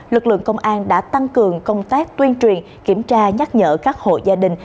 lực lượng công an đã tăng cường công tác tuyên truyền kiểm tra nhắc nhở các hộ gia đình